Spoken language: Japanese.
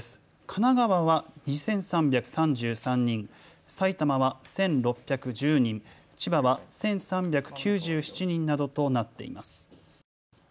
神奈川は２３３３人、埼玉は１６１０人、千葉は１３９７人などとなっています。